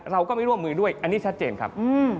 เราก็ไม่ร่วมมือด้วยอันนี้ชัดเจนครับ